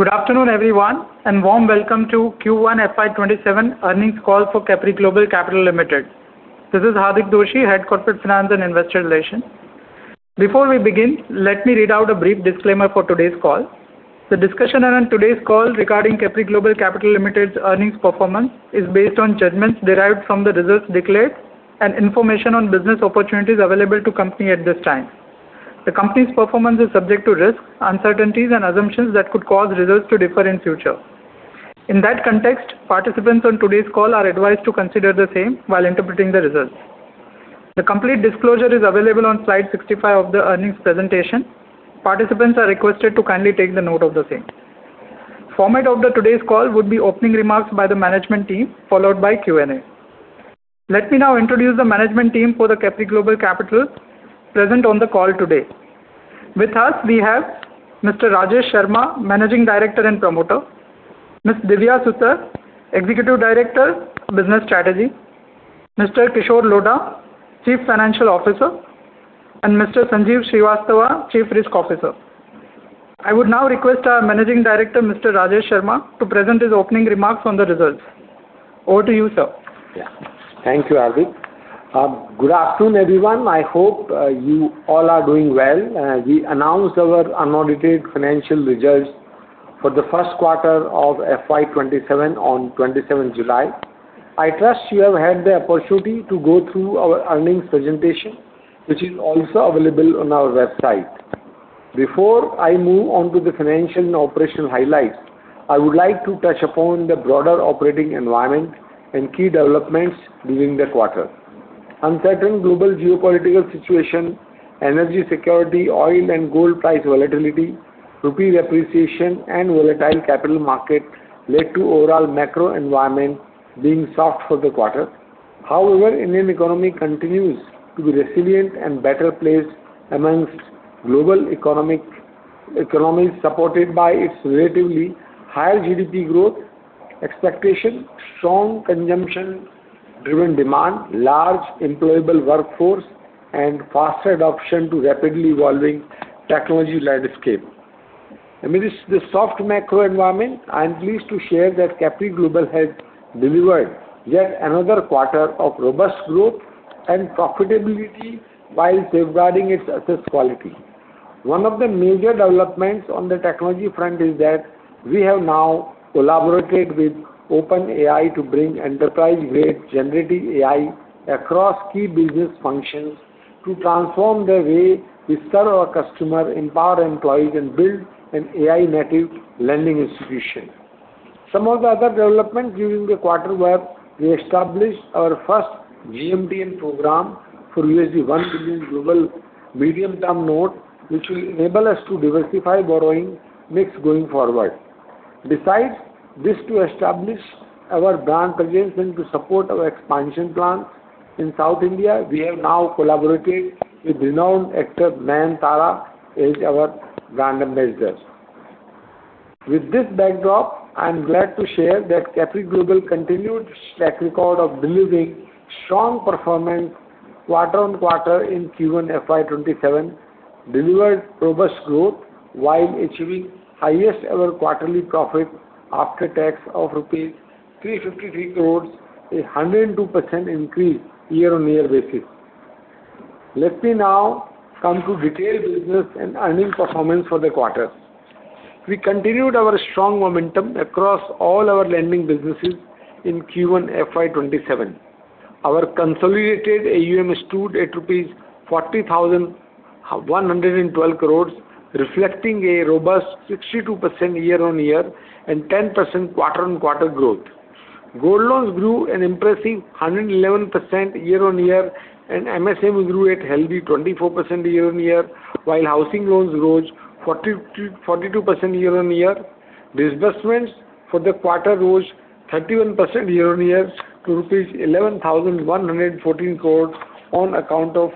Good afternoon, everyone, warm welcome to Q1 FY 2027 earnings call for Capri Global Capital Limited. This is Hardik Doshi, Head Corporate Finance and Investor Relations. Before we begin, let me read out a brief disclaimer for today's call. The discussion on today's call regarding Capri Global Capital Limited's earnings performance is based on judgments derived from the results declared and information on business opportunities available to company at this time. The company's performance is subject to risks, uncertainties, and assumptions that could cause results to differ in future. In that context, participants on today's call are advised to consider the same while interpreting the results. The complete disclosure is available on slide 65 of the earnings presentation. Participants are requested to kindly take note of the same. Format of the today's call would be opening remarks by the management team, followed by Q&A. Let me now introduce the management team for the Capri Global Capital present on the call today. With us, we have Mr. Rajesh Sharma, Managing Director and Promoter, Ms. Divya Sutar, Executive Director, Business Strategy, Mr. Kishore Lodha, Chief Financial Officer, and Mr. Sanjeev Srivastava, Chief Risk Officer. I would now request our Managing Director, Mr. Rajesh Sharma, to present his opening remarks on the results. Over to you, sir. Thank you, Hardik. Good afternoon, everyone. I hope you all are doing well. We announced our unaudited financial results for the first quarter of FY 2027 on 27th July. I trust you have had the opportunity to go through our earnings presentation, which is also available on our website. Before I move on to the financial and operational highlights, I would like to touch upon the broader operating environment and key developments during the quarter. Uncertain global geopolitical situation, energy security, oil and gold price volatility, rupee appreciation, and volatile capital market led to overall macro environment being soft for the quarter. Indian economy continues to be resilient and better placed amongst global economies, supported by its relatively higher GDP growth expectation, strong consumption-driven demand, large employable workforce, and faster adoption to rapidly evolving technology landscape. Amidst this soft macro environment, I am pleased to share that Capri Global has delivered yet another quarter of robust growth and profitability while safeguarding its asset quality. One of the major developments on the technology front is that we have now collaborated with OpenAI to bring enterprise-grade generative AI across key business functions to transform the way we serve our customer, empower employees, and build an AI-native lending institution. Some of the other developments during the quarter were, we established our first GMTN program for $1 billion global medium-term note, which will enable us to diversify borrowing mix going forward. Besides this, to establish our brand presence and to support our expansion plans in South India, we have now collaborated with renowned actor Nayanthara as our brand ambassador. With this backdrop, I am glad to share that Capri Global continued its track record of delivering strong performance quarter-on-quarter in Q1 FY 2027, delivered robust growth while achieving highest ever quarterly profit after tax of rupees 353 crore, 102% increase year-on-year basis. Let me now come to retail business and earnings performance for the quarter. We continued our strong momentum across all our lending businesses in Q1 FY 2027. Our consolidated AUM stood at rupees 40,112 crore, reflecting a robust 62% year-on-year and 10% quarter-on-quarter growth. Gold loans grew an impressive 111% year-on-year, and MSME grew at healthy 24% year-on-year, while housing loans rose 42% year-on-year. Disbursement for the quarter rose 31% year-on-year to rupees 11,114 crore on account of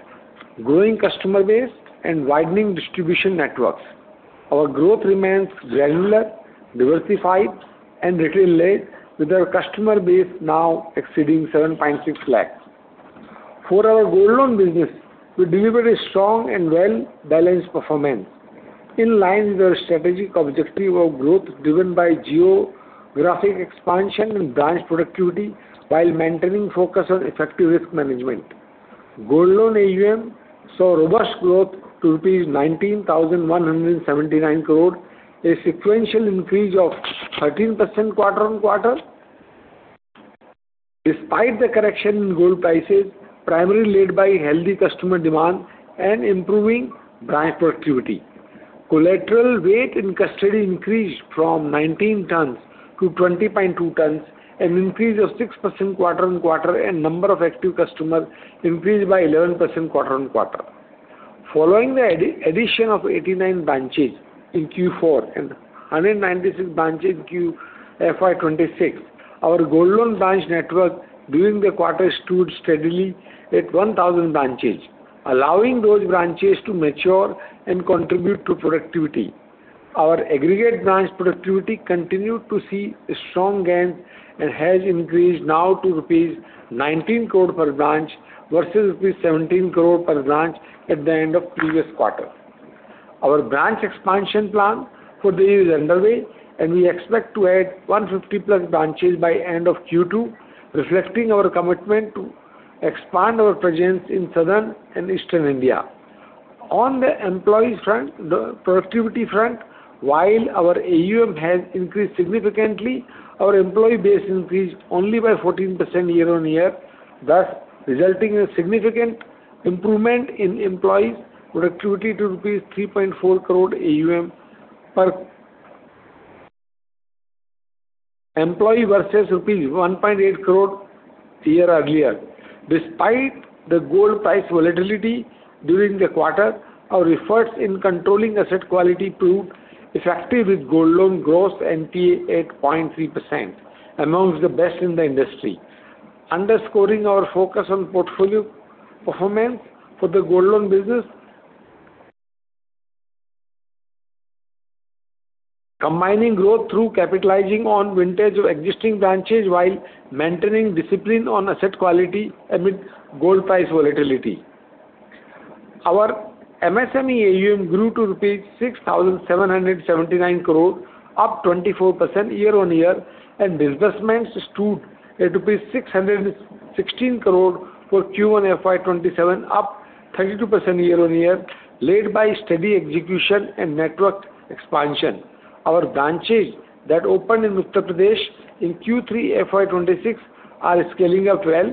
growing customer base and widening distribution networks. Our growth remains granular, diversified, and retail led, with our customer base now exceeding 7.6 lakh. For our gold loan business, we delivered a strong and well-balanced performance, in line with our strategic objective of growth driven by geographic expansion and branch productivity while maintaining focus on effective risk management. Gold loan AUM saw robust growth to rupees 19,179 crore, a sequential increase of 13% quarter-on-quarter, despite the correction in gold prices, primarily led by healthy customer demand and improving branch productivity. Collateral weight in custody increased from 19 tons to 20.2 tons, an increase of 6% quarter-on-quarter, and number of active customers increased by 11% quarter-on-quarter. Following the addition of 89 branches in Q4 and 196 branches in FY 2026, our gold loan branch network during the quarter stood steadily at 1,000 branches, allowing those branches to mature and contribute to productivity. Our aggregate branch productivity continued to see a strong gain and has increased now to rupees 19 crore per branch versus rupees 17 crore per branch at the end of previous quarter. Our branch expansion plan for the year is underway, and we expect to add 150+ branches by end of Q2, reflecting our commitment to expand our presence in Southern and Eastern India. On the employee front, the productivity front, while our AUM has increased significantly, our employee base increased only by 14% year-on-year, thus resulting in significant improvement in employee productivity to rupees 3.4 crore AUM per employee versus rupees 1.8 crore a year earlier. Despite the gold price volatility during the quarter, our efforts in controlling asset quality proved effective with gold loan gross NPA at 0.3%, amongst the best in the industry. Underscoring our focus on portfolio performance for the gold loan business, combining growth through capitalizing on vintage or existing branches while maintaining discipline on asset quality amid gold price volatility. Our MSME AUM grew to INR 6,779 crore, up 24% year-on-year, and disbursements stood at INR 616 crore for Q1 FY 2027, up 32% year-on-year, led by steady execution and network expansion. Our branches that opened in Uttar Pradesh in Q3 FY 2026 are scaling up well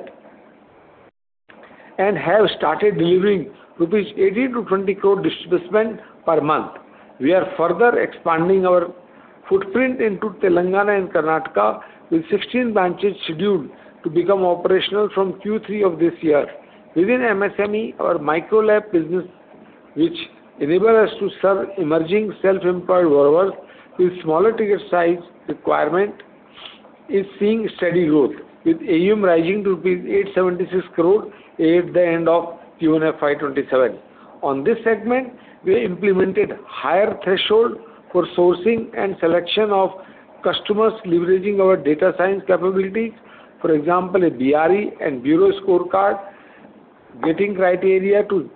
and have started delivering 18 crore-20 crore rupees disbursement per month. We are further expanding our footprint into Telangana and Karnataka with 16 branches scheduled to become operational from Q3 of this year. Within MSME, our MicroLAP business, which enable us to serve emerging self-employed borrowers with smaller ticket size requirement, is seeing steady growth, with AUM rising to rupees 876 crore at the end of Q1 FY 2027. On this segment, we implemented higher threshold for sourcing and selection of customers leveraging our data science capability. For example, a BRE and bureau scorecard, getting criteria to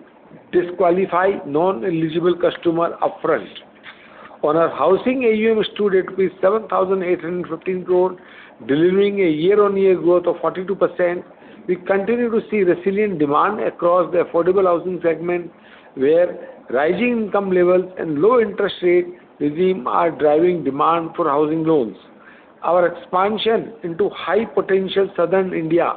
disqualify non-eligible customer upfront. On our housing AUM stood at 7,815 crore, delivering a year-on-year growth of 42%. We continue to see resilient demand across the affordable housing segment, where rising income levels and low interest rate regime are driving demand for housing loans. Our expansion into high potential southern India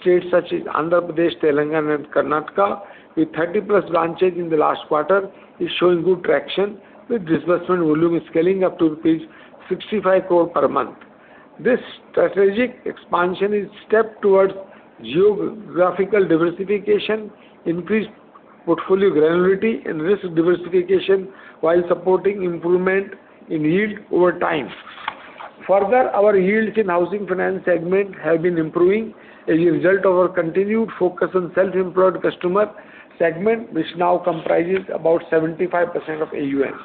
states such as Andhra Pradesh, Telangana and Karnataka, with 30+ branches in the last quarter, is showing good traction, with disbursement volume scaling up to rupees 65 crore per month. This strategic expansion is step towards geographical diversification, increased portfolio granularity, and risk diversification while supporting improvement in yield over time. Further, our yields in housing finance segment have been improving as a result of our continued focus on self-employed customer segment, which now comprises about 75% of AUM.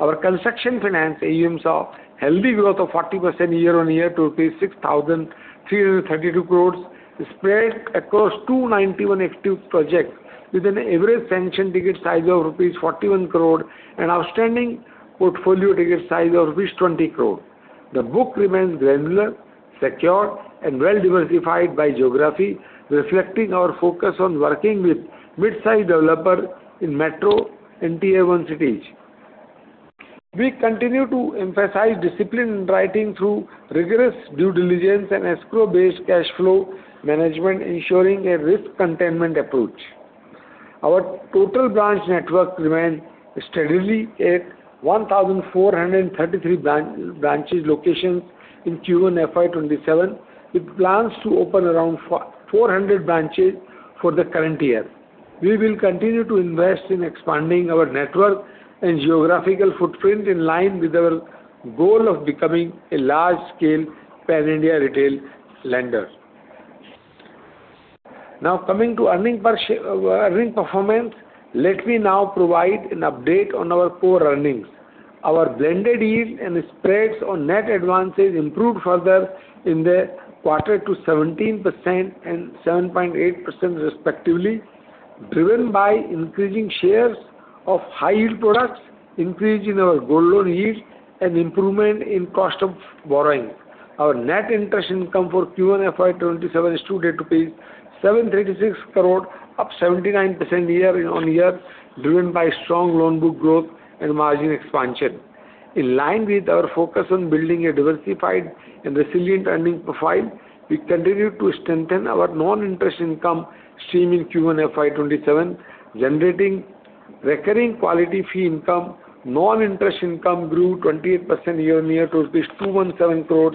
Our construction finance AUMs are healthy growth of 40% year-on-year to 6,332 crore spread across 291 active projects with an average sanctioned ticket size of rupees 41 crore and outstanding portfolio ticket size of rupees 20 crore. The book remains granular, secure and well-diversified by geography, reflecting our focus on working with mid-size developer in metro and tier one cities. We continue to emphasize discipline in writing through rigorous due diligence and escrow-based cash flow management, ensuring a risk containment approach. Our total branch network remained steadily at 1,433 branch locations in Q1 FY 2027, with plans to open around 400 branches for the current year. We will continue to invest in expanding our network and geographical footprint in line with our goal of becoming a large scale pan-India retail lender. Now coming to earning performance. Let me now provide an update on our core earnings. Our blended yield and spreads on net advances improved further in the quarter to 17% and 7.8% respectively, driven by increasing shares of high yield products, increase in our gold loan yield and improvement in cost of borrowing. Our net interest income for Q1 FY 2027 stood at 736 crore, up 79% year-on-year, driven by strong loan book growth and margin expansion. In line with our focus on building a diversified and resilient earning profile, we continue to strengthen our non-interest income stream in Q1 FY 2027, generating recurring quality fee income. Non-interest income grew 28% year-on-year to 217 crore,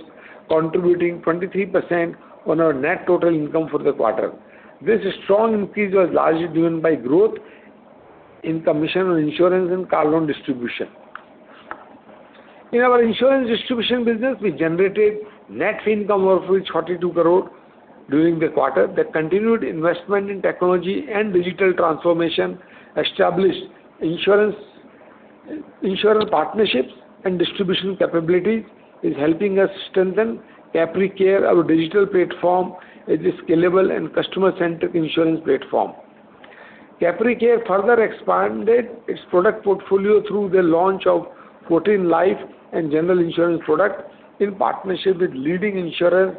contributing 23% on our net total income for the quarter. This strong increase was largely driven by growth in commission on insurance and car loan distribution. In our insurance distribution business, we generated net fee income of 42 crore during the quarter. The continued investment in technology and digital transformation, established insurance insurer partnerships and distribution capabilities is helping us strengthen Capri Care, our digital platform. It is scalable and customer-centric insurance platform. Capri Care further expanded its product portfolio through the launch of protection, life, and general insurance product in partnership with leading insurer,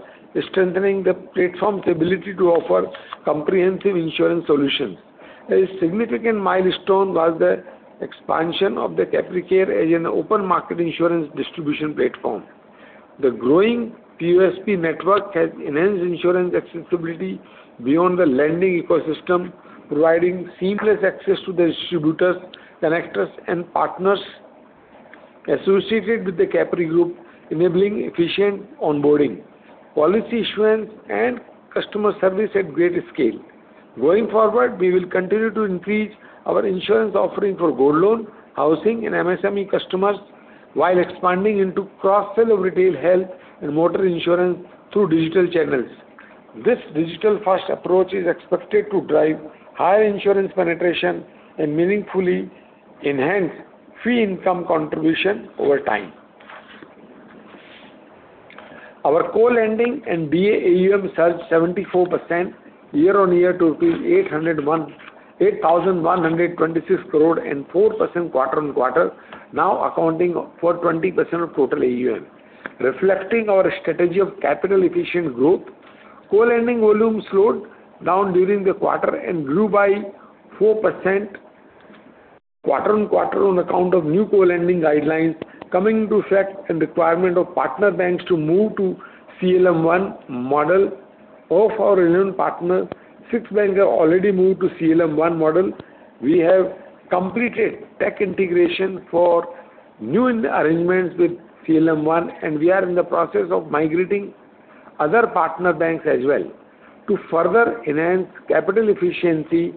strengthening the platform's ability to offer comprehensive insurance solutions. A significant milestone was the expansion of the Capri Care as an open market insurance distribution platform. The growing POSP network has enhanced insurance accessibility beyond the lending ecosystem, providing seamless access to the distributors, connectors, and partners associated with the Capri Group, enabling efficient onboarding, policy issuance, and customer service at great scale. Going forward, we will continue to increase our insurance offering for gold loan, housing, and MSME customers while expanding into cross-sell of retail, health, and motor insurance through digital channels. This digital-first approach is expected to drive higher insurance penetration and meaningfully enhance fee income contribution over time. Our co-lending and DA AUM surged 74% year-on-year to 8,126 crore and 4% quarter-on-quarter, now accounting for 20% of total AUM. Reflecting our strategy of capital efficient growth, co-lending volume slowed down during the quarter and grew by 4% quarter-on-quarter on account of new co-lending guidelines coming into effect and requirement of partner banks to move to CLM1 model of our loan partner. Six banks have already moved to CLM1 model. We have completed tech integration for new arrangements with CLM1, and we are in the process of migrating other partner banks as well. To further enhance capital efficiency,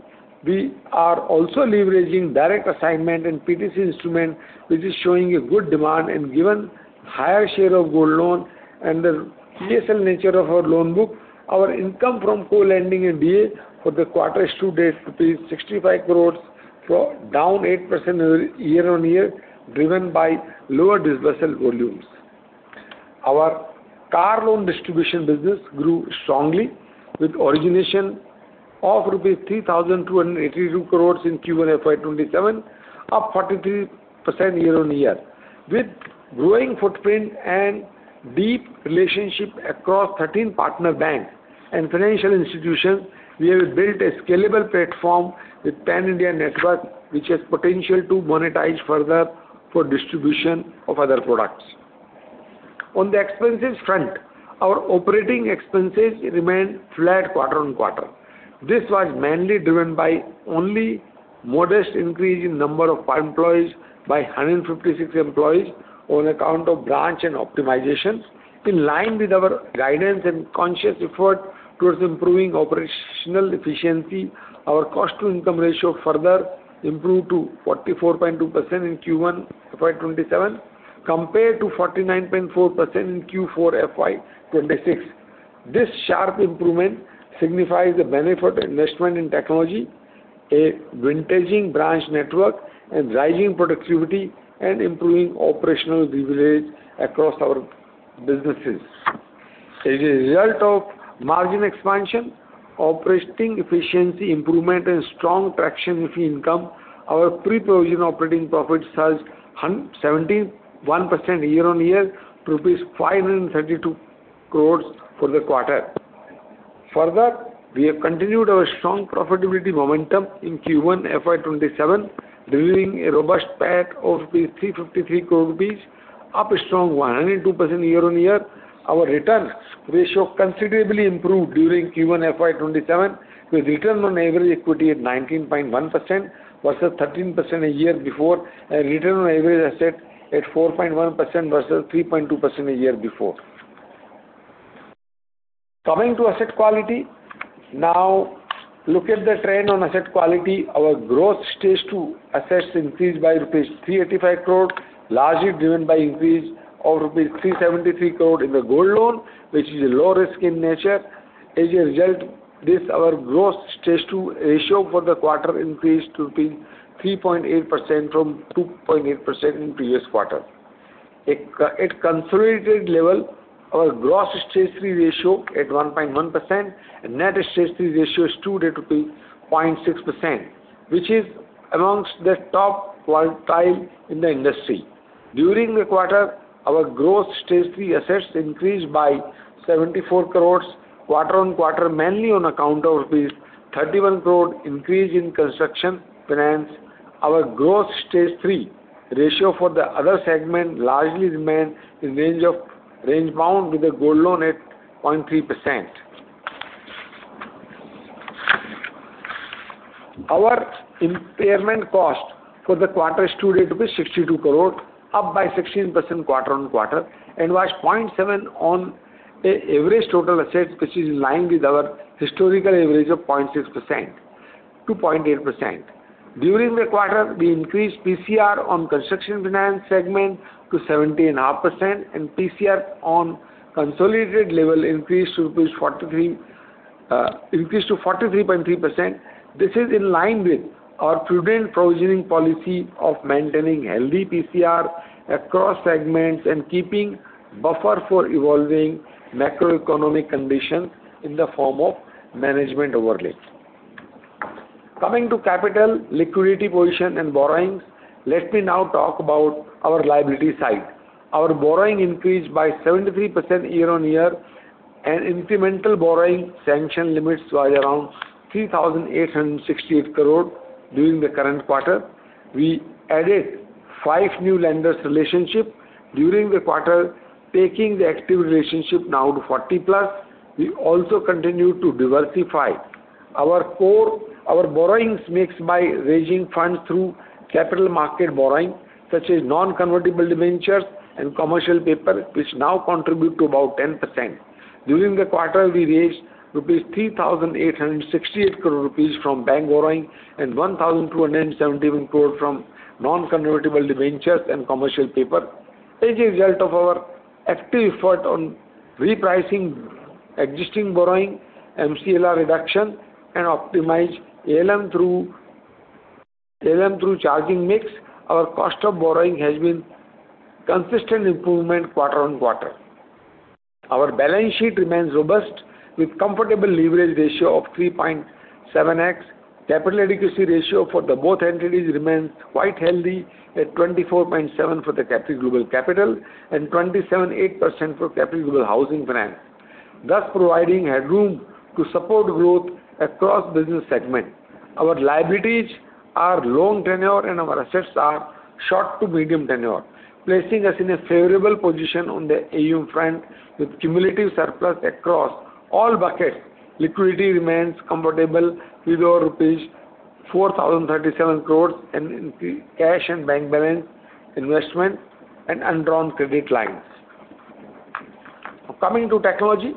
we are also leveraging direct assignment and PTC instrument, which is showing a good demand and given higher share of gold loan and the PSL nature of our loan book. Our income from co-lending and DA for the quarter stood at rupees 65 crore, down 8% year-on-year, driven by lower dispersal volumes. Our car loan distribution business grew strongly with origination of rupees 3,282 crore in Q1 FY 2027, up 43% year-on-year. With growing footprint and deep relationship across 13 partner banks and financial institutions, we have built a scalable platform with PAN India network, which has potential to monetize further for distribution of other products. On the expenses front, our operating expenses remained flat quarter-on-quarter. This was mainly driven by only modest increase in number of employees by 156 employees on account of branch and optimization. In line with our guidance and conscious effort towards improving operational efficiency, our cost-to-income ratio further improved to 44.2% in Q1 FY 2027 compared to 49.4% in Q4 FY 2026. This sharp improvement signifies the benefit investment in technology, a vintaging branch network, and rising productivity and improving operational leverage across our businesses. As a result of margin expansion, operating efficiency improvement, and strong traction fee income, our pre-provision operating profit surged 171% year-on-year to rupees 532 crore for the quarter. Further, we have continued our strong profitability momentum in Q1 FY 2027, delivering a robust PAT of 353 crore rupees, up a strong 102% year-on-year. Our returns ratio considerably improved during Q1 FY 2027, with Return on Average Equity at 19.1% versus 13% a year before, and Return on Average Assets at 4.1% versus 3.2% a year before. Coming to asset quality, now look at the trend on asset quality. Our gross stage two assets increased by rupees 385 crore, largely driven by increase of rupees 373 crore in the gold loan, which is low risk in nature. As a result, this, our gross stage two ratio for the quarter increased to 3.8% from 2.8% in previous quarter. At consolidated level, our gross stage three ratio at 1.1% and net stage three ratio stood at 0.6%, which is amongst the top quartile in the industry. During the quarter, our gross stage three assets increased by 74 crore quarter-on-quarter, mainly on account of rupees 31 crore increase in construction finance. Our gross stage three ratio for the other segment largely remains range-bound with the gold loan at 0.3%. Our impairment cost for the quarter stood at 62 crore, up by 16% quarter-on-quarter, and was 0.7% on average total assets, which is in line with our historical average of 0.6%-0.8%. During the quarter, we increased PCR on construction finance segment to 17.5%, and PCR on consolidated level increased to 43.3%. This is in line with our prudent provisioning policy of maintaining healthy PCR across segments and keeping buffer for evolving macroeconomic conditions in the form of management overlays. Coming to capital liquidity position and borrowings, let me now talk about our liability side. Our borrowing increased by 73% year-on-year, and incremental borrowing sanction limits was around 3,868 crore during the current quarter. We added five new lenders relationship during the quarter, taking the active relationship now to 40+. We also continue to diversify our borrowings mix by raising funds through capital market borrowing, such as non-convertible debentures and commercial paper, which now contribute to about 10%. During the quarter, we raised 3,868 crores rupees from bank borrowing and 1,271 crore from non-convertible debentures and commercial paper. As a result of our active effort on repricing existing borrowing, MCLR reduction, and optimize ALM through changing mix, our cost of borrowing has been consistent improvement quarter-on-quarter. Our balance sheet remains robust with comfortable leverage ratio of 3.7x. Capital adequacy ratio for the both entities remains quite healthy at 24.7% for Capri Global Capital and 27.8% for Capri Global Housing Finance, thus providing headroom to support growth across business segment. Our liabilities are long tenure and our assets are short to medium tenure, placing us in a favorable position on the ALM front with cumulative surplus across all buckets. Liquidity remains comfortable with over rupees 4,037 crores in cash and bank balance, investment, and undrawn credit lines. Coming to technology,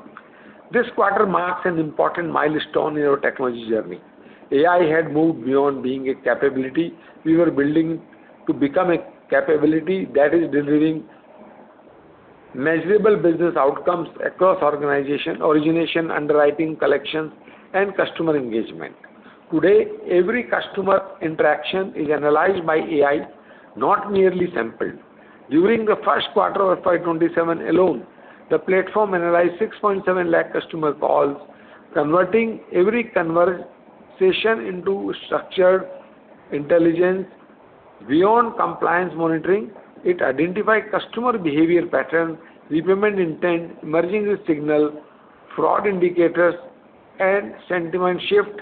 this quarter marks an important milestone in our technology journey. AI had moved beyond being a capability we were building to become a capability that is delivering measurable business outcomes across origination, underwriting, collections, and customer engagement. Today, every customer interaction is analyzed by AI, not merely sampled. During the first quarter of FY 2027 alone, the platform analyzed 6.7 lakh customer calls, converting every conversation into structured intelligence. Beyond compliance monitoring, it identified customer behavior pattern, repayment intent, emergency signal, fraud indicators, and sentiment shift,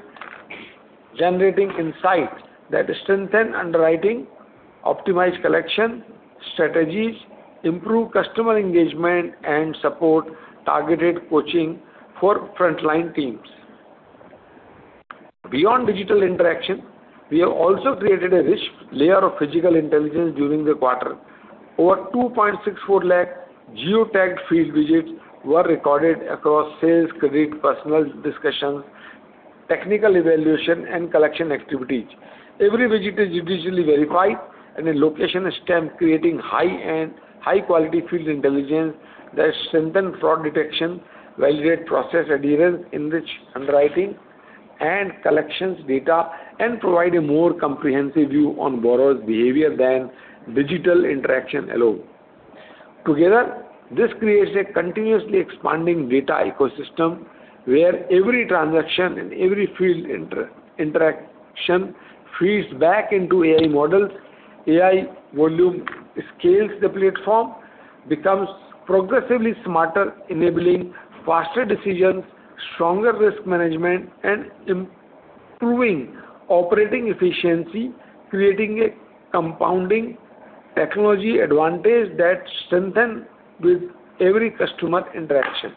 generating insights that strengthen underwriting, optimize collection strategies, improve customer engagement, and support targeted coaching for frontline teams. Beyond digital interaction, we have also created a rich layer of physical intelligence during the quarter. Over 2.64 geotagged field visits were recorded across sales, credit, personal discussions, technical evaluation, and collection activities. Every visit is individually verified and a location stamp creating high-quality field intelligence that strengthen fraud detection, validate process adherence, enrich underwriting and collections data, and provide a more comprehensive view on borrower's behavior than digital interaction alone. Together, this creates a continuously expanding data ecosystem, where every transaction and every field interaction feeds back into AI models. AI volume scales the platform, becomes progressively smarter, enabling faster decisions, stronger risk management, and improving operating efficiency, creating a compounding technology advantage that strengthen with every customer interaction.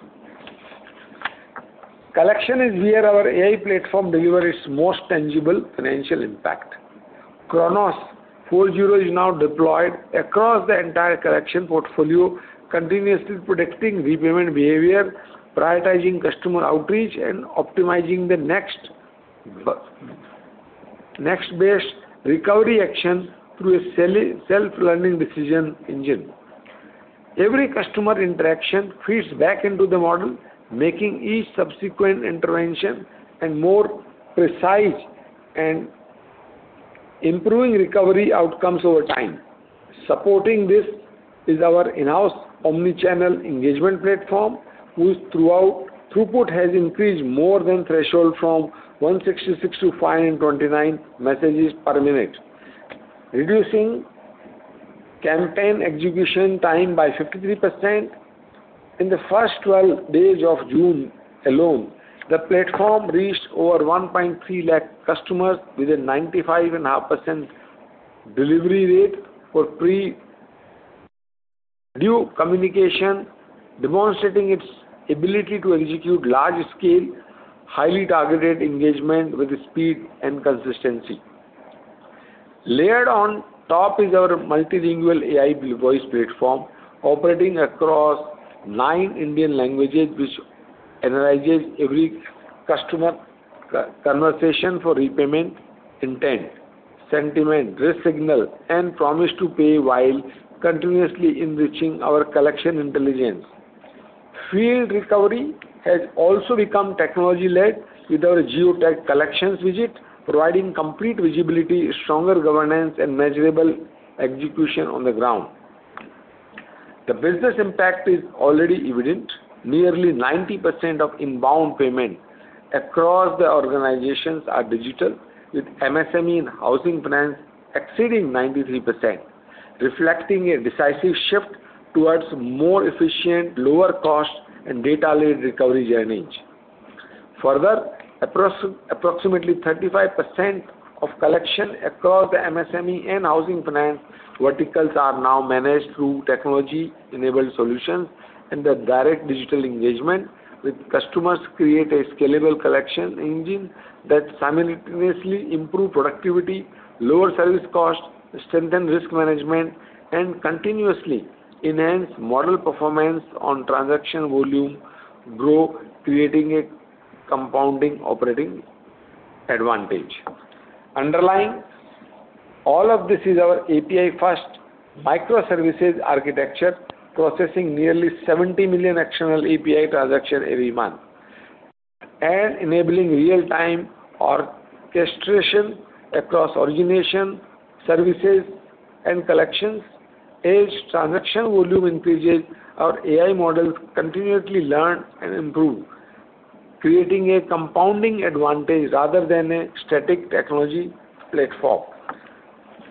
Collection is where our AI platform deliver its most tangible financial impact. Chronos 4.0 is now deployed across the entire collection portfolio, continuously predicting repayment behavior, prioritizing customer outreach, and optimizing the next best recovery action through a self-learning decision engine. Every customer interaction feeds back into the model, making each subsequent intervention and more precise and improving recovery outcomes over time. Supporting this is our in-house omni-channel engagement platform, whose throughput has increased more than threefold from 166 to 529 messages per minute, reducing campaign execution time by 53%. In the first 12 days of June alone, the platform reached over 1.3 lakh customers with a 95.5% delivery rate for pre-due communication, demonstrating its ability to execute large scale, highly targeted engagement with speed and consistency. Layered on top is our multilingual AI voice platform operating across nine Indian languages, which analyzes every customer conversation for repayment intent. Sentiment, risk signal, and promise to pay while continuously enriching our collection intelligence. Field recovery has also become technology-led with our geo-tagged collections visit, providing complete visibility, stronger governance, and measurable execution on the ground. The business impact is already evident. Nearly 90% of inbound payment across the organizations are digital, with MSME and housing finance exceeding 93%, reflecting a decisive shift towards more efficient, lower cost, and data-led recovery journeys. Further, approximately 35% of collection across the MSME and housing finance verticals are now managed through technology-enabled solutions, the direct digital engagement with customers create a scalable collection engine that simultaneously improve productivity, lower service cost, strengthen risk management, and continuously enhance model performance on transaction volume growth, creating a compounding operating advantage. Underlying all of this is our API first microservices architecture, processing nearly 70 million external API transactions every month and enabling real time orchestration across origination, services, and collections. As transaction volume increases, our AI models continuously learn and improve, creating a compounding advantage rather than a static technology platform.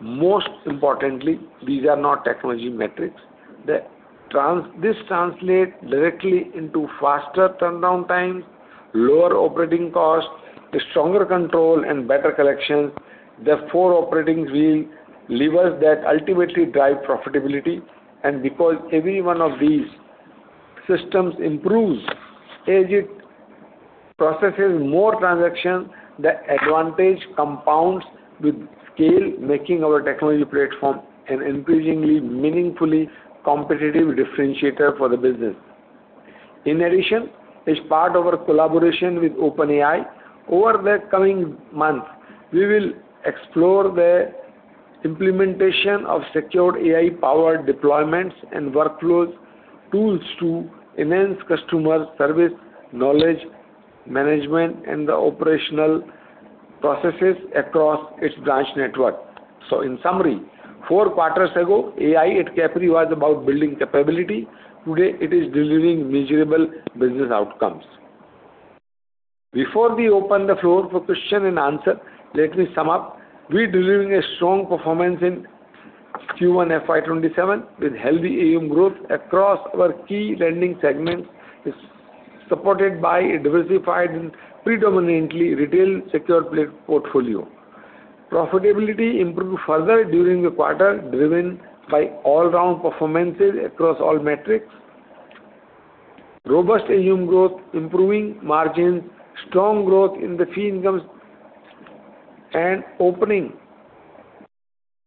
Most importantly, these are not technology metrics. This translates directly into faster turnaround times, lower operating costs, stronger control, and better collections, the four operating wheel levers that ultimately drive profitability. Because every one of these systems improves as it processes more transactions, the advantage compounds with scale, making our technology platform an increasingly meaningfully competitive differentiator for the business. In addition, as part of our collaboration with OpenAI, over the coming months, we will explore the implementation of secured AI-powered deployments and workflows tools to enhance customer service, knowledge, management, and the operational processes across its branch network. In summary, four quarters ago, AI at Capri was about building capability. Today, it is delivering measurable business outcomes. Before we open the floor for question and answer, let me sum up. We're delivering a strong performance in Q1 FY 2027 with healthy AUM growth across our key lending segments, supported by a diversified and predominantly retail secured portfolio. Profitability improved further during the quarter, driven by all-round performances across all metrics, robust AUM growth, improving margins, strong growth in the fee incomes, and opening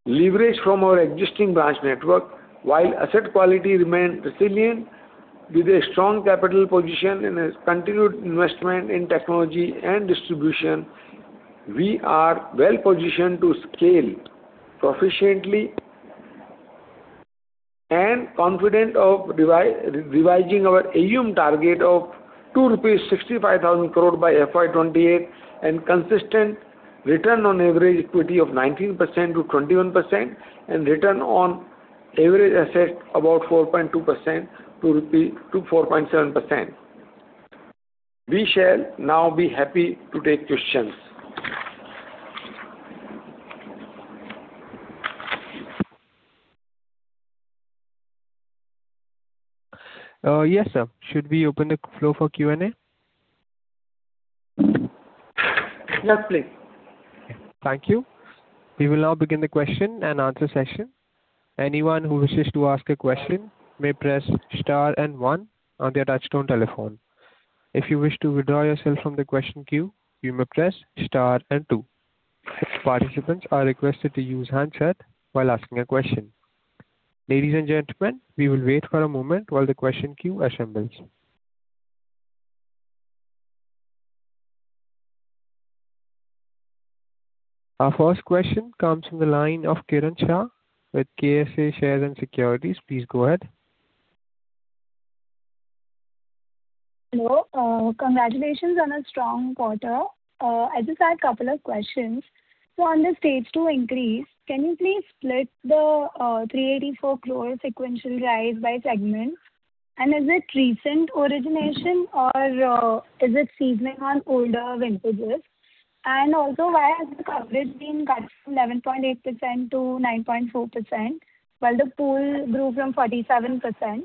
leverage from our existing branch network. While asset quality remained resilient with a strong capital position and a continued investment in technology and distribution, we are well positioned to scale proficiently and confident of revising our AUM target of 65,000 crore by FY 2028 and consistent Return on Average Equity of 19%-21% and Return on Average Assets about 4.2%-4.7%. We shall now be happy to take questions. Yes, sir. Should we open the floor for Q&A? Yes, please. Thank you. We will now begin the question and answer session. Anyone who wishes to ask a question may press star and one on their touchtone telephone. If you wish to withdraw yourself from the question queue, you may press star and two. Participants are requested to use handset while asking a question. Ladies and gentlemen, we will wait for a moment while the question queue assembles. Our first question comes from the line of Kiran Shah with KSA Shares and Securities. Please go ahead. Hello. Congratulations on a strong quarter. I just had couple of questions. On the stage two increase, can you please split the 384 crore sequential rise by segment? Is it recent origination or is it seasoning on older vintages? Also, why has the coverage been cut from 11.8% to 9.4% while the pool grew from 47%?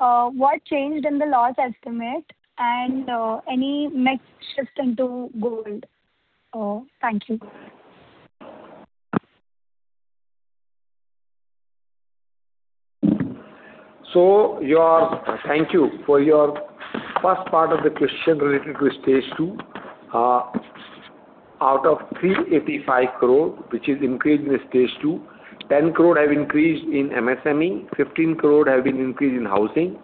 What changed in the loss estimate and any mix shift into gold? Thank you. Thank you. For your first part of the question related to stage two, out of 385 crore, which is increase in the stage two, 10 crore have increased in MSME, 15 crore have been increased in housing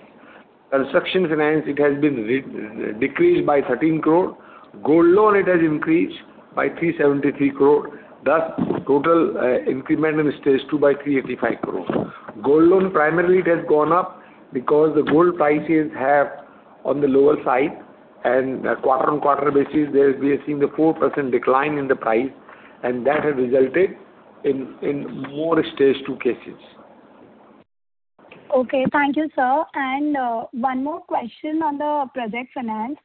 Construction finance, it has been decreased by 13 crore. Gold loan, it has increased by 373 crore. Thus, total increment in stage two by 385 crore. Gold loan primarily it has gone up because the gold prices are on the lower side and quarter-on-quarter basis, we are seeing the 4% decline in the price and that has resulted in more stage two cases. Okay. Thank you, sir. One more question on the project finance.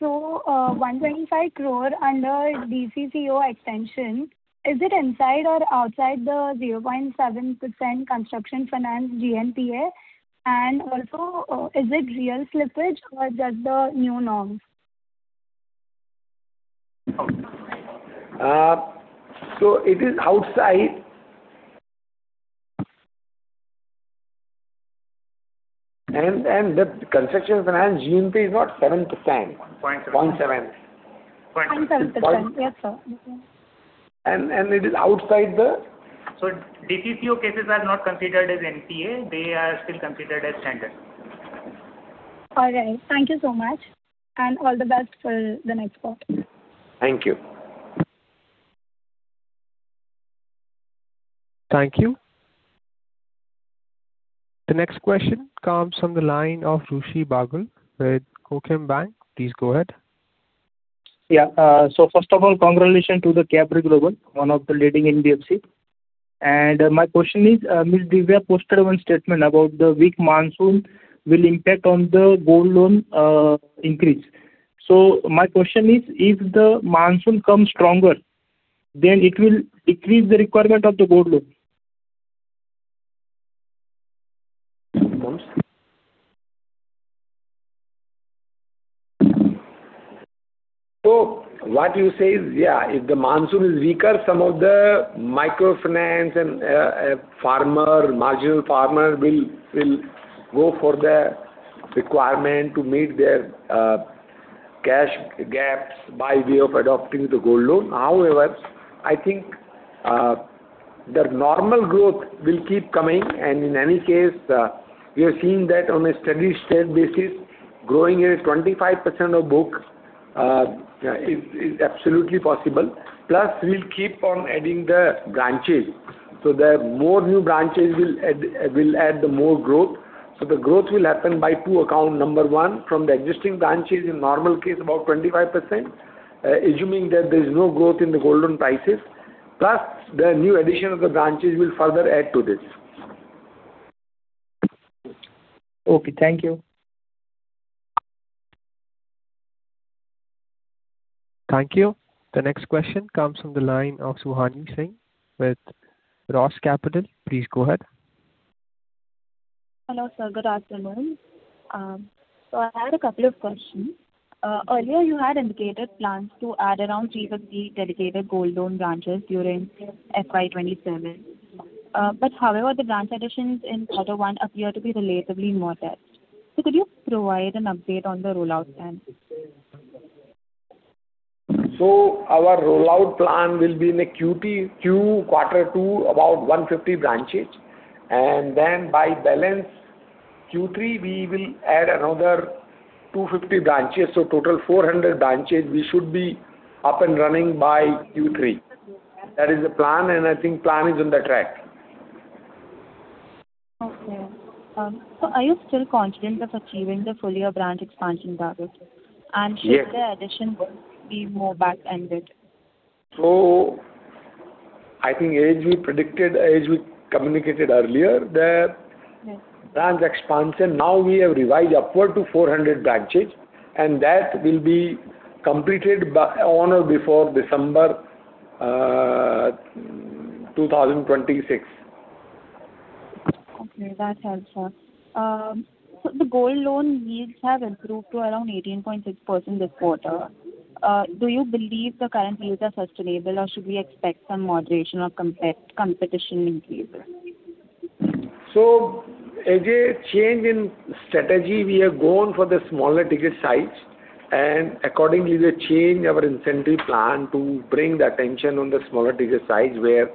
125 crore under DCCO extension, is it inside or outside the 0.7% construction finance GNPA? Also, is it real slippage or just the new norm? It is outside. The construction finance GNPA is not 7%, 0.7%. 0.7%. Yes, sir. It is outside. DCCO cases are not considered as NPA. They are still considered as standard. All right. Thank you so much and all the best for the next quarter. Thank you. Thank you. The next question comes from the line of [Rushi Bagal] with [Kookmin Bank]. Please go ahead. Yeah. First of all, congratulations to the Capri Global, one of the leading NBFCs. My question is, Mr. Divya posted one statement about the weak monsoon will impact on the gold loan increase. My question is, if the monsoon comes stronger, it will increase the requirement of the gold loan? What you say is, if the monsoon is weaker, some of the microfinance and marginal farmer will go for the requirement to meet their cash gaps by way of adopting the gold loan. However, I think their normal growth will keep coming, and in any case, we are seeing that on a steady state basis, growing at 25% of book is absolutely possible. We'll keep on adding the branches that more new branches will add the more growth. The growth will happen by two account. Number one, from the existing branches, in normal case, about 25%, assuming that there's no growth in the gold loan prices. The new addition of the branches will further add to this. Okay. Thank you. Thank you. The next question comes from the line of [Suhani Singh] with [Ross Capital]. Please go ahead. Hello sir. Good afternoon. I had a couple of questions. Earlier you had indicated plans to add around 350 dedicated gold loan branches during FY 2027. However, the branch additions in quarter one appear to be relatively modest. Could you provide an update on the rollout plan? Our rollout plan will be in the quarter two, about 150 branches, then by balance quarter three, we will add another 250 branches. Total 400 branches we should be up and running by Q3. That is the plan, I think plan is on the track. Okay. Are you still confident of achieving the full year branch expansion target? Yes. Should the addition be more back-ended? I think as we predicted, as we communicated earlier that branch expansion, now we have revised upward to 400 branches and that will be completed on or before December 2026. Okay. That helps. The gold loan yields have improved to around 18.6% this quarter. Do you believe the current yields are sustainable or should we expect some moderation or competition increase? As a change in strategy, we have gone for the smaller ticket size and accordingly we change our incentive plan to bring the attention on the smaller ticket size where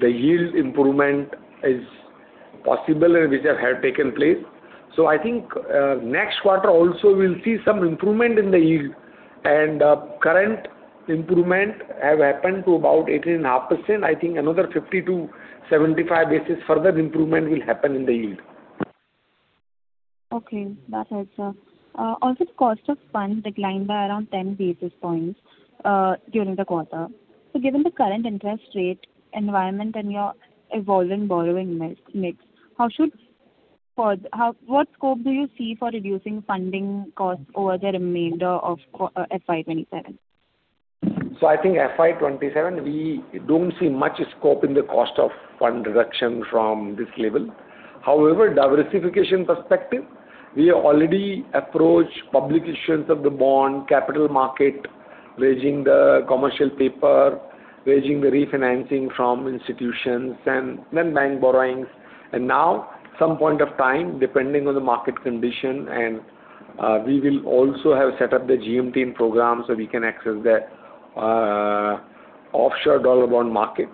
the yield improvement is possible and which have taken place. I think next quarter also we will see some improvement in the yield and current improvement have happened to about 18.5%. I think another 50 to 75 basis further improvement will happen in the yield. Okay, that helps. The cost of funds declined by around 10 basis points during the quarter. Given the current interest rate environment and your evolving borrowing mix, what scope do you see for reducing funding costs over the remainder of FY 2027? I think FY 2027 we don't see much scope in the cost of fund reduction from this level. However, diversification perspective, we already approach public issuance of the bond, capital markets, raising the commercial paper, raising the refinancing from institutions and then bank borrowings. Now some point of time, depending on the market condition, we will also have set up the GMTN program so we can access the offshore dollar bond market.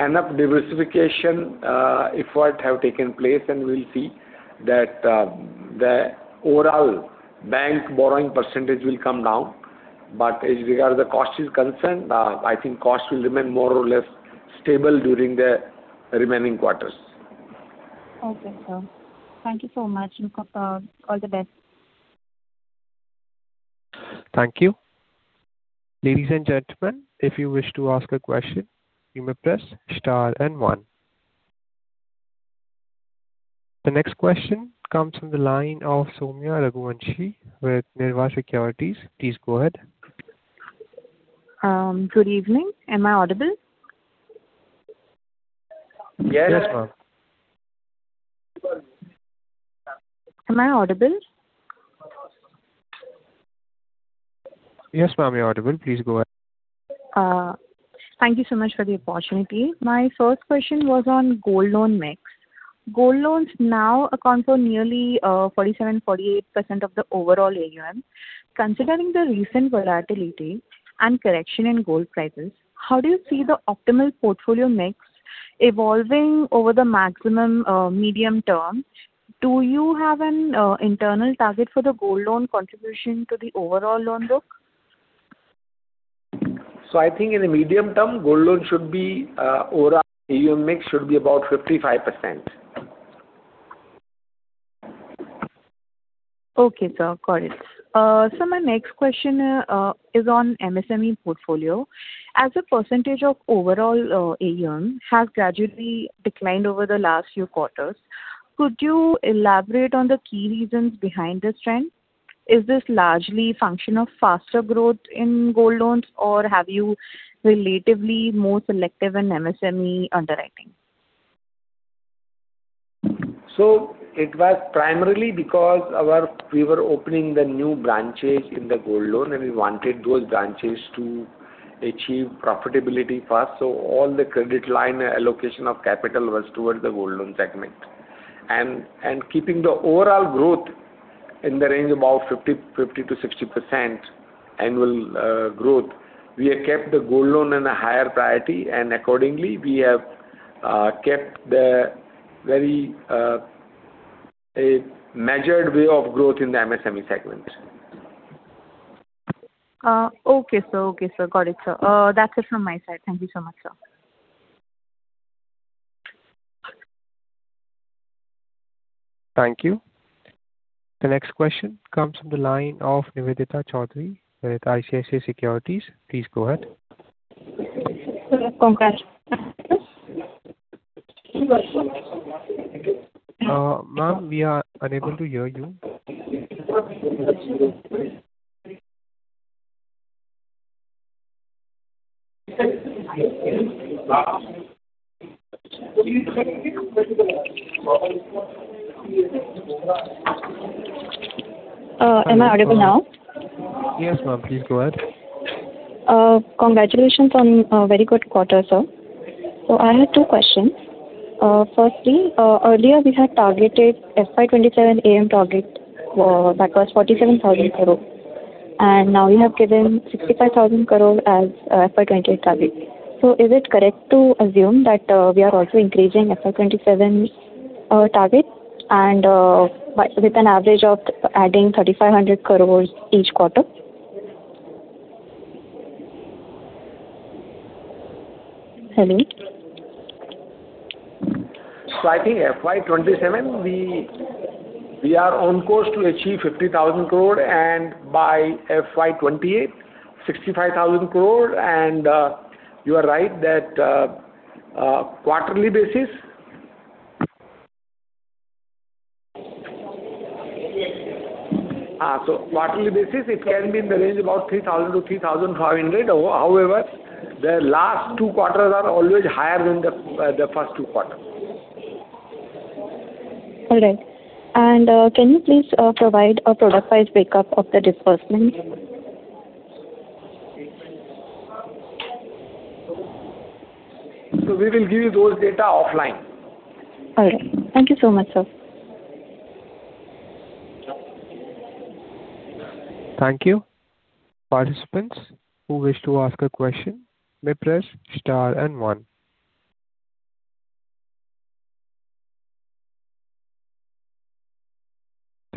Enough diversification efforts have taken place, and we'll see that the overall bank borrowing percentage will come down. As regards the cost is concerned, I think cost will remain more or less stable during the remaining quarters. Okay, sir. Thank you so much. All the best. Thank you. Ladies and gentlemen, if you wish to ask a question, you may press star and one. The next question comes from the line of Soumya Raghuvanshi with Nirva Securities. Please go ahead. Good evening. Am I audible? Yes, ma'am. Am I audible? Yes, ma'am, you're audible. Please go ahead. Thank you so much for the opportunity. My first question was on gold loan mix. Gold loans now account for nearly 47%-48% of the overall AUM. Considering the recent volatility and correction in gold prices, how do you see the optimal portfolio mix evolving over the maximum medium term? Do you have an internal target for the gold loan contribution to the overall loan book? I think in the medium term, gold loan overall AUM mix should be about 55%. Okay, sir. Got it. My next question is on MSME portfolio. The MSME portfolio, as a percentage of overall AUM, has gradually declined over the last few quarters. Could you elaborate on the key reasons behind this trend? Is this largely function of faster growth in gold loans, or have you relatively more selective in MSME underwriting? It was primarily because we were opening the new branches in the gold loan, and we wanted those branches to achieve profitability first. All the credit line allocation of capital was towards the gold loan segment. Keeping the overall growth in the range about 50%-60% annual growth, we have kept the gold loan in a higher priority, and accordingly, we have kept the very measured way of growth in the MSME segment. Okay, sir. Got it, sir. That's it from my side. Thank you so much, sir. Thank you. The next question comes from the line of Nivedita Choudhary with ICICI Securities. Please go ahead. Hello, congratulations. Ma'am, we are unable to hear you. Am I audible now? Yes, ma'am. Please go ahead. Congratulations on a very good quarter, sir. I have two questions. Firstly, earlier we had targeted FY 2027 AUM target that was INR 47,000 crore, and now you have given INR 65,000 crore as FY 2028 target. Is it correct to assume that we are also increasing FY 2027 target and with an average of adding 3,500 crores each quarter? Hello. I think FY 2027, we are on course to achieve 50,000 crore and by FY 2028, 65,000 crore. You are right that quarterly basis it can be in the range about 3,000-3,500 crores. However, the last two quarters are always higher than the first two quarters. All right. Can you please provide a productized breakup of the disbursement? We will give you those data offline. All right. Thank you so much, sir. Thank you. Participants who wish to ask a question may press star and one.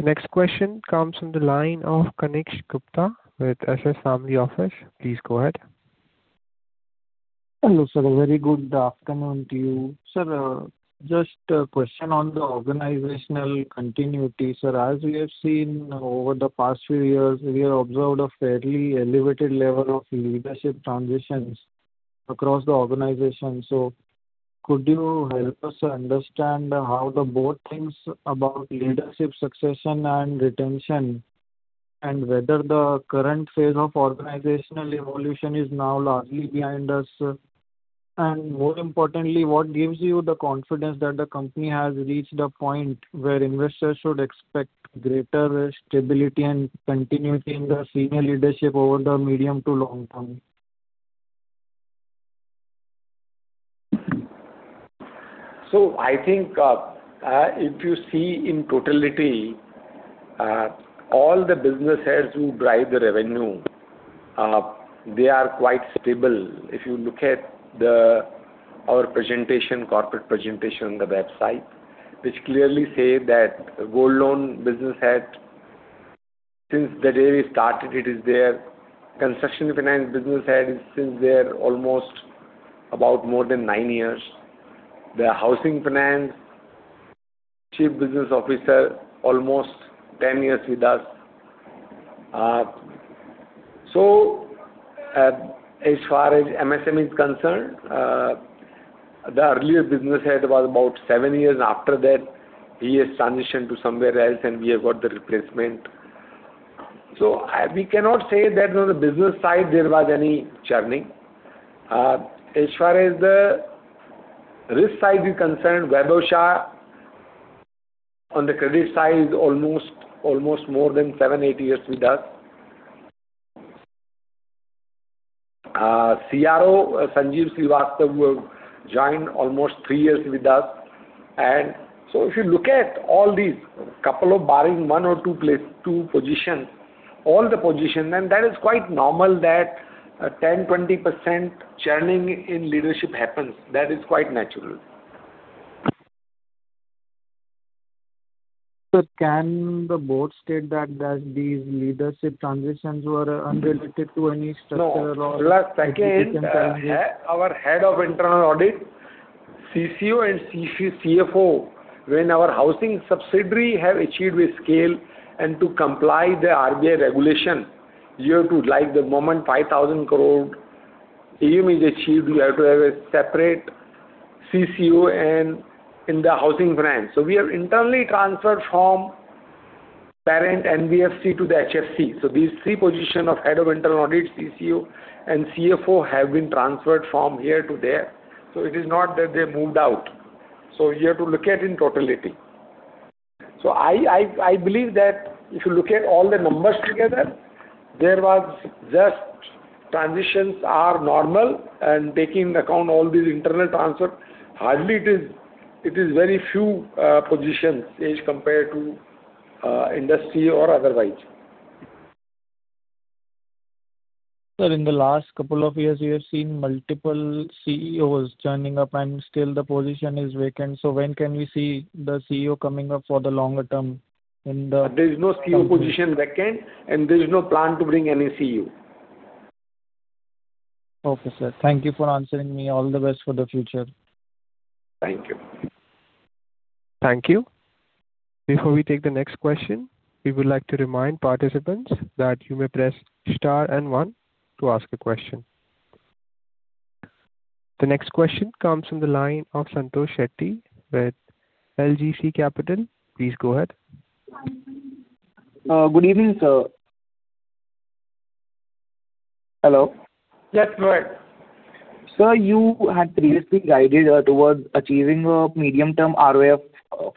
The next question comes from the line of Kanishk Gupta with SS Family Office. Please go ahead. Hello, sir. Very good afternoon to you. Sir, just a question on the organizational continuity. Sir, as we have seen over the past few years, we have observed a fairly elevated level of leadership transitions across the organization. Could you help us understand how the board thinks about leadership succession and retention, and whether the current phase of organizational evolution is now largely behind us? More importantly, what gives you the confidence that the company has reached a point where investors should expect greater stability and continuity in the senior leadership over the medium to long term? I think if you see in totality, all the business heads who drive the revenue, they are quite stable. If you look at our corporate presentation on the website, which clearly says that gold loan business head, since the day we started, it is there. Construction finance business head is since there almost about more than nine years. The housing finance chief business officer, almost 10 years with us. As far as MSME is concerned, the earlier business head was about seven years. After that, he has transitioned to somewhere else and we have got the replacement. We cannot say that on the business side there was any churning. As far as the risk side is concerned, Vaibhav Shah, on the credit side, is almost more than seven, eight years with us. CRO, Sanjeev Srivastava, joined almost three years with us. If you look at all these, barring one or two positions, all the positions, and that is quite normal that 10%, 20% churning in leadership happens. That is quite natural. Can the board state that these leadership transitions were unrelated to any structural or internal. Our head of internal audit, CCO, and CFO, when our housing subsidiary have achieved a scale and to comply the RBI regulation, you have to, like the moment 5,000 crore AUM is achieved, we have to have a separate CCO in the HFC. We have internally transferred from parent NBFC to the HFC. These three positions of head of internal audit, CCO, and CFO have been transferred from here to there. It is not that they moved out. You have to look at in totality. I believe that if you look at all the numbers together, transitions are normal, and taking into account all these internal transfers, hardly it is very few positions as compared to industry or otherwise. Sir, in the last couple of years, we have seen multiple CEOs churning up, and still the position is vacant. When can we see the CEO coming up for the longer term in the. There is no CEO position vacant, and there's no plan to bring any CEO. Okay, sir. Thank you for answering me. All the best for the future. Thank you. Thank you. Before we take the next question, we would like to remind participants that you may press star and one to ask a question. The next question comes from the line of [Santosh Shetty] with LGC Capital. Please go ahead. Good evening, sir. Hello? Yes, go ahead. Sir, you had previously guided towards achieving a medium-term ROA of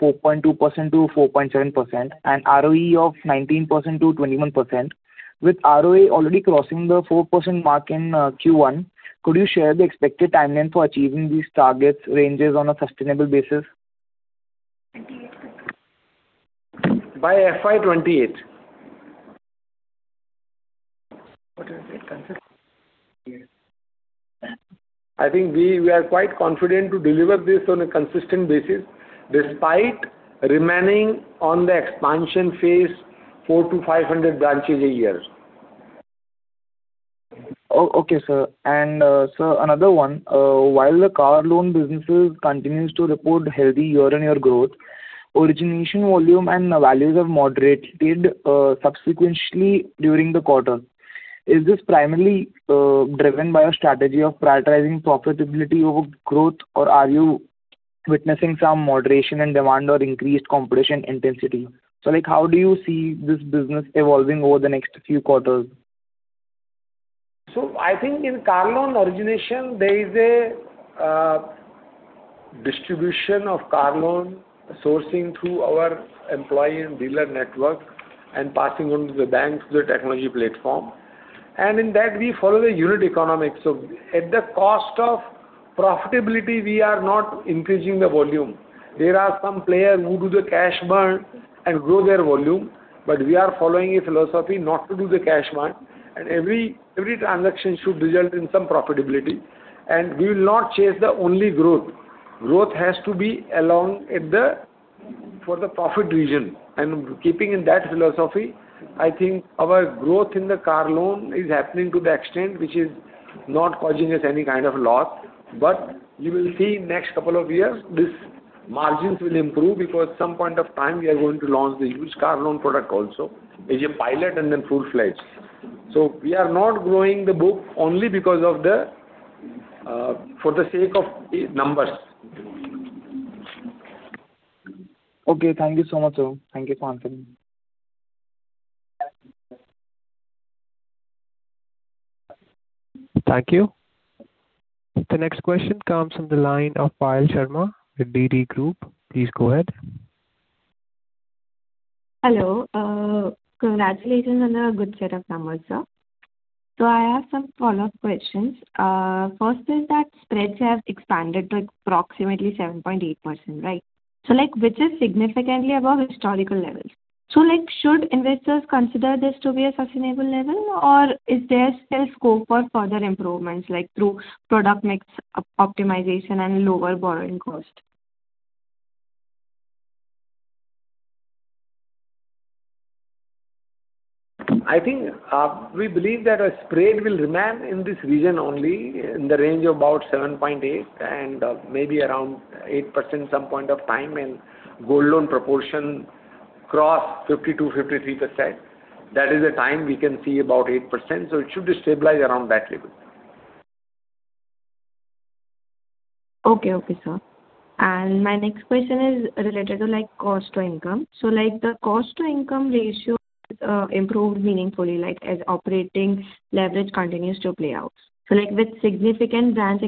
4.2%-4.7% and ROE of 19%-21%. With ROA already crossing the 4% mark in Q1, could you share the expected timeline for achieving these target ranges on a sustainable basis? By FY 2028. I think we are quite confident to deliver this on a consistent basis, despite remaining on the expansion phase, 400 to 500 branches a year. Okay, sir. Sir, another one. While the car loan business continues to report healthy year-on-year growth, origination volume and values have moderated subsequently during the quarter. Is this primarily driven by a strategy of prioritizing profitability over growth, or are you witnessing some moderation in demand or increased competition intensity? How do you see this business evolving over the next few quarters? I think in car loan origination, there is a distribution of car loan sourcing through our employee and dealer network and passing on to the bank through the technology platform. In that, we follow the unit economics. At the cost of profitability, we are not increasing the volume. There are some players who do the cash burn and grow their volume, but we are following a philosophy not to do the cash burn, and every transaction should result in some profitability. We will not chase the only growth. Growth has to be for the profit reasons. Keeping in that philosophy, I think our growth in the car loan is happening to the extent which is not causing us any kind of loss. You will see next couple of years, these margins will improve because some point of time we are going to launch the used car loan product also as a pilot and then full-fledged. We are not growing the book only for the sake of numbers. Thank you so much, sir. Thank you for answering. Thank you. The next question comes from the line of [Payal Sharma] with DD Group. Please go ahead. Hello. Congratulations on a good set of numbers, sir. I have some follow-up questions. First is that spreads have expanded to approximately 7.8%, right? Which is significantly above historical levels. Should investors consider this to be a sustainable level, or is there still scope for further improvements, like through product mix optimization and lower borrowing cost? I think we believe that our spread will remain in this region only, in the range of about 7.8% and maybe around 8% some point of time, and gold loan proportion cross 52%-53%. That is the time we can see about 8%. It should stabilize around that level. Okay, sir. My next question is related to cost to income. The cost to income ratio has improved meaningfully, as operating leverage continues to play out. With significant branch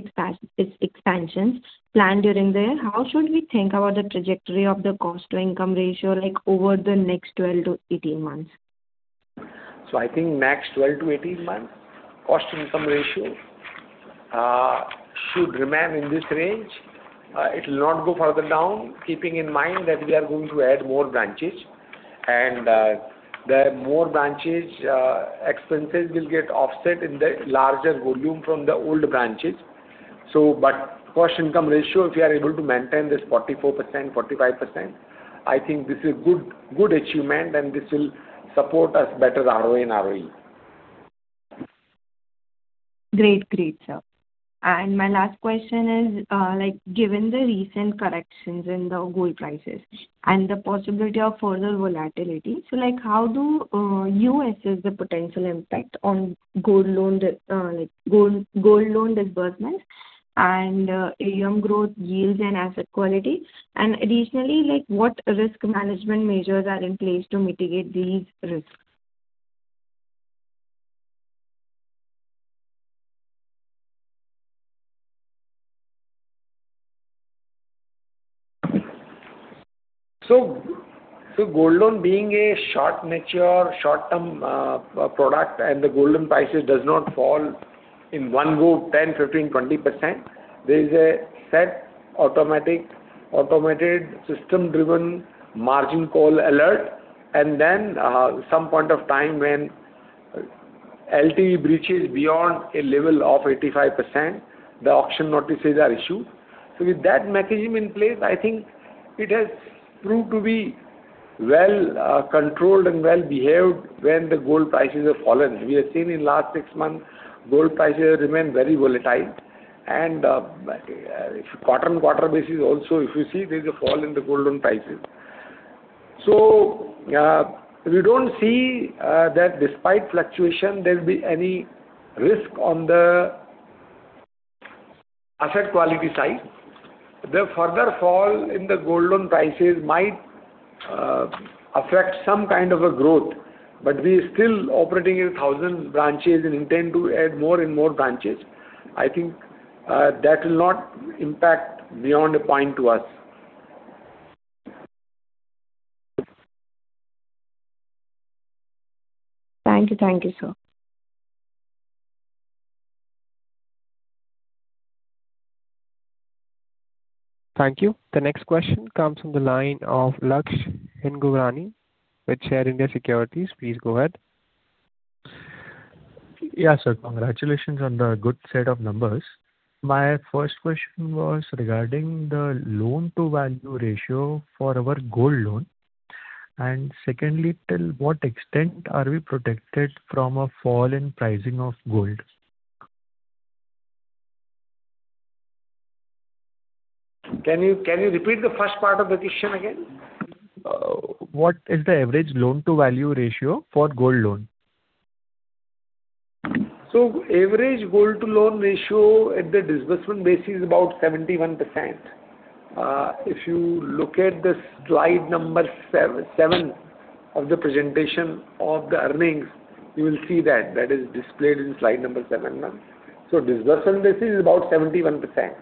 expansions planned during the year, how should we think about the trajectory of the cost to income ratio over the next 12 to 18 months? I think next 12 to 18 months, cost to income ratio should remain in this range. It will not go further down, keeping in mind that we are going to add more branches. The more branches, expenses will get offset in the larger volume from the old branches. Cost to income ratio, if we are able to maintain this 44%, 45%, I think this is good achievement, and this will support us better ROA and ROE. Great, sir. My last question is, given the recent corrections in the gold prices and the possibility of further volatility, how do you assess the potential impact on gold loan disbursements and AUM growth yields and asset quality? Additionally, what risk management measures are in place to mitigate these risks? Gold loan being a short mature, short-term product, and the gold loan prices does not fall in one go 10%, 15%, 20%. There is a set automatic, automated system-driven margin call alert, and then some point of time when LTV breaches beyond a level of 85%, the auction notices are issued. With that mechanism in place, I think it has proved to be well controlled and well behaved when the gold prices have fallen. We have seen in last six months, gold prices remain very volatile. Quarter-on-quarter basis also, if you see, there is a fall in the gold loan prices. We don't see that despite fluctuation, there will be any risk on the asset quality side. The further fall in the gold loan prices might affect some kind of a growth, but we still operating in 1,000 branches and intend to add more and more branches. I think that will not impact beyond a point to us. Thank you, sir. Thank you. The next question comes from the line of Laksh Hingorani with Share India Securities. Please go ahead. Yeah, sir. Congratulations on the good set of numbers. My first question was regarding the loan-to-value ratio for our gold loan. Secondly, till what extent are we protected from a fall in pricing of gold? Can you repeat the first part of the question again? What is the average loan-to-value ratio for gold loan? Average gold to loan ratio at the disbursement basis is about 71%. If you look at the slide number seven of the presentation of the earnings, you will see that. That is displayed in slide number seven. Disbursement basis is about 71%.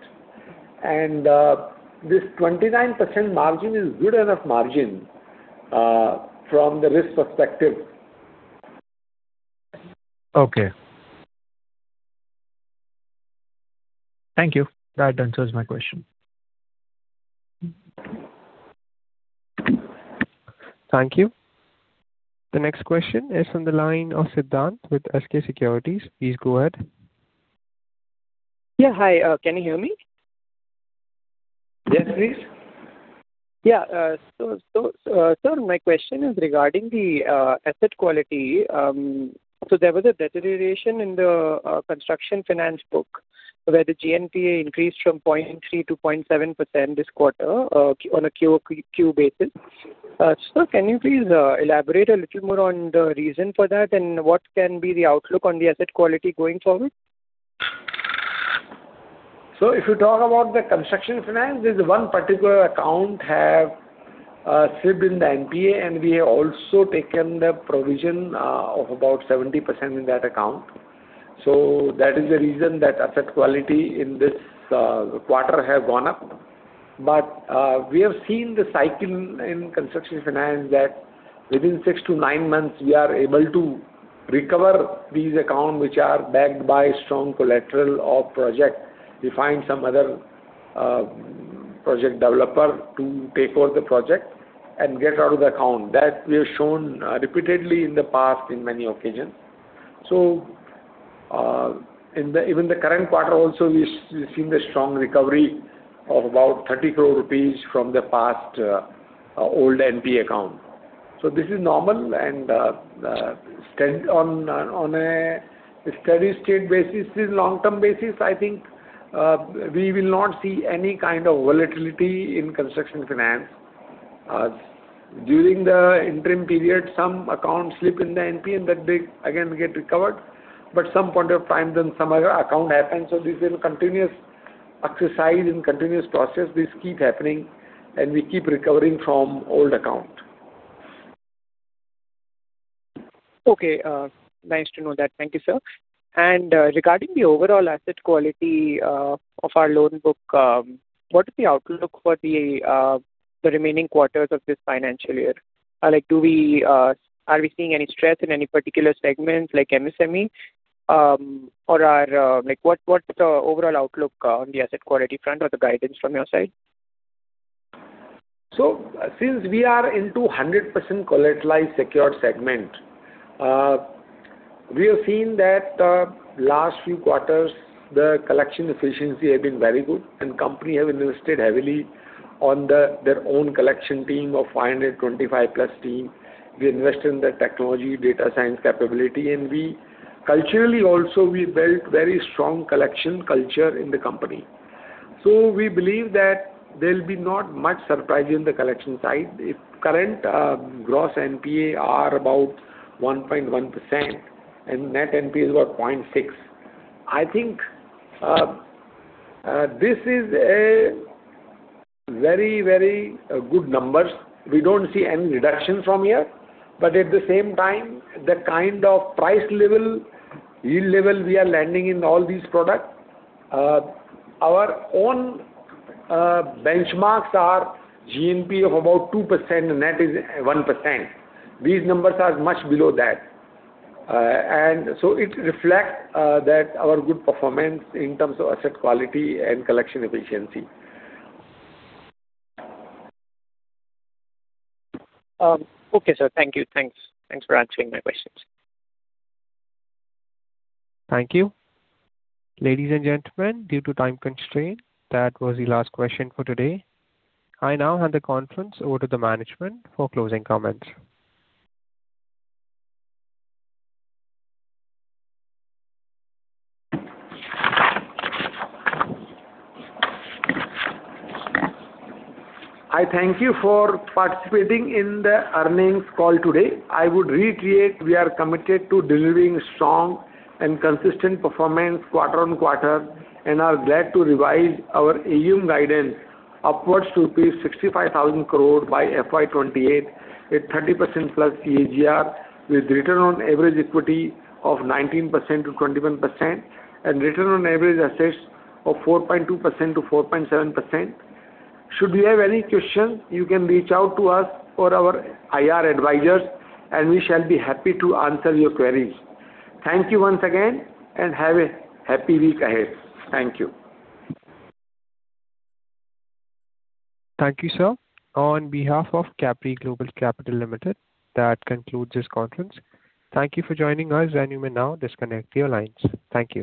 This 29% margin is good enough margin from the risk perspective. Okay. Thank you. That answers my question. Thank you. The next question is from the line of Siddhant with SK Securities. Please go ahead. Yeah. Hi, can you hear me? Yes, please. Sir, my question is regarding the asset quality. There was a deterioration in the construction finance book where the GNPA increased from 0.3% to 0.7% this quarter on a quarter-over-quarter basis. Sir, can you please elaborate a little more on the reason for that and what can be the outlook on the asset quality going forward? If you talk about the construction finance, there's one particular account have slipped in the NPA, and we have also taken the provision of about 70% in that account. That is the reason that asset quality in this quarter has gone up. We have seen the cycle in construction finance that within six to nine months, we are able to recover these accounts, which are backed by strong collateral or project. We find some other project developer to take over the project and get out of the account. That we have shown repeatedly in the past on many occasions. Even the current quarter also, we're seeing the strong recovery of about 30 crores rupees from the past old NPA account. This is normal and on a steady state basis, this is long-term basis, I think, we will not see any kind of volatility in construction finance. During the interim period, some accounts slip in the NPA and that they again get recovered. Some point of time, then some other account happens. This is a continuous exercise and continuous process. This keeps happening, and we keep recovering from old account. Okay. Nice to know that. Thank you, sir. Regarding the overall asset quality of our loan book, what is the outlook for the remaining quarters of this financial year? Are we seeing any stress in any particular segments like MSME? What's the overall outlook on the asset quality front or the guidance from your side? Since we are into 100% collateralized secured segment, we have seen that last few quarters, the collection efficiency has been very good, and company have invested heavily on their own collection team of 525+ team. We invest in the technology, data science capability, and culturally also, we built very strong collection culture in the company. We believe that there will be not much surprise in the collection side. If current gross NPA are about 1.1% and net NPA is about 0.6%, I think this is a very good number. We don't see any reduction from here, but at the same time, the kind of price level, yield level we are lending in all these products, our own benchmarks are GNPA of about 2% and net is 1%. These numbers are much below that. It reflects our good performance in terms of asset quality and collection efficiency. Okay, sir. Thank you. Thanks for answering my questions. Thank you. Ladies and gentlemen, due to time constraint, that was the last question for today. I now hand the conference over to the management for closing comments. I thank you for participating in the earnings call today. I would reiterate, we are committed to delivering strong and consistent performance quarter-on-quarter and are glad to revise our AUM guidance upwards to rupees 65,000 crore by FY 2028 at 30%+ CAGR with Return on Average Equity of 19%-21% and Return on Average Assets of 4.2%-4.7%. Should you have any questions, you can reach out to us or our IR advisors, and we shall be happy to answer your queries. Thank you once again, and have a happy week ahead. Thank you. Thank you, sir. On behalf of Capri Global Capital Limited, that concludes this conference. Thank you for joining us, and you may now disconnect your lines. Thank you